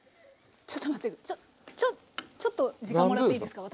ちょっちょっちょっと時間もらっていいですか私。